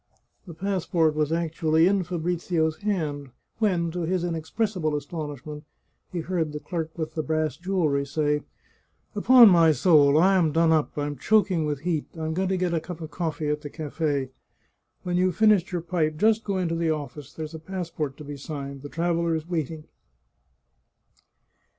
The passport was actually in Fabrizio's hand when, to his inex pressible astonishment, he heard the clerk with the brass jewellery say: " Upon my soul ! I am done up ; I'm choking with heat ; I am going to get a cup of cofifee at the cafe. When you've finished your pipe just go into the office ; there's a passport to be signed. The traveller is waiting."